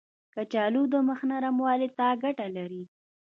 کچالو د مخ نرموالي ته ګټه لري.